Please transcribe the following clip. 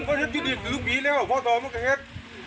พ่อเฮ็ดที่เดียวถือผีแล้วพ่อต่อมากับเฮ็ด